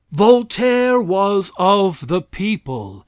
Voltaire was of the people.